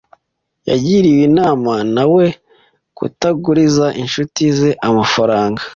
Yagiriwe inama na we kutaguriza inshuti ze amafaranga.